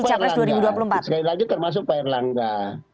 pak erlangga sekali lagi termasuk pak erlangga